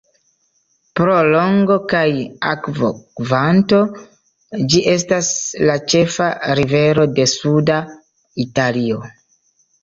Pro longo kaj akvokvanto, ĝi estas la ĉefa rivero de suda Italio.